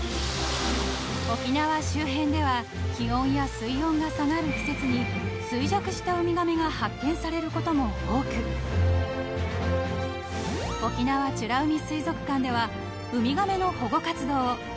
［沖縄周辺では気温や水温が下がる季節に衰弱したウミガメが発見されることも多く沖縄美ら海水族館では］